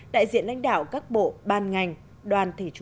đại diện lãnh đạo các bộ ban ngành